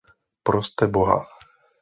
Proste Boha.